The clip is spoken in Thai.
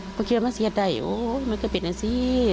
เพราะคิดว่าไม่ใช่เหตุใดโอ้มันก็เป็นแบบนั้นสิ